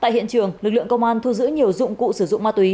tại hiện trường lực lượng công an thu giữ nhiều dụng cụ sử dụng ma túy